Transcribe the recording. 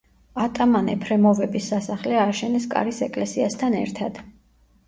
ატამან ეფრემოვების სასახლე ააშენეს კარის ეკლესიასთან ერთად.